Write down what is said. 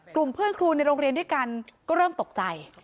กลุ่มเพื่อนครูในโรงเรียนด้วยกันก็เริ่มตกใจ